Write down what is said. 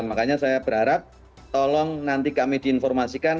makanya saya berharap tolong nanti kami diinformasikan